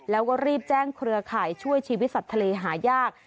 แล้วก็รีบแจ้งเครือข่ายช่วยชีวิตสัตว์ทะเลหายาก